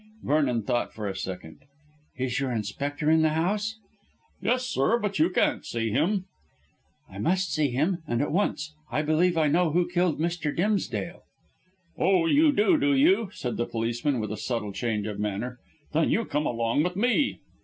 Vernon thought for a second. "Is your Inspector in the house?" "Yes, sir, but you can't see him." "I must see him, and at once. I believe I know who killed Mr. Dimsdale." "Oh, you do, do you?" said the policeman with a subtle change of manner. "Then you come along with me."